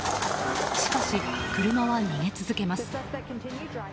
しかし車は逃げ続けます。